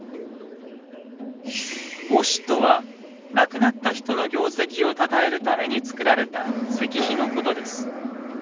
「墓誌」とは亡くなった人の業績をたたえるためにつくられた石碑のことです。